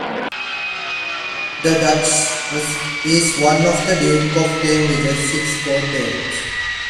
The Duchess is one of the Duke of Cambridge's six godparents.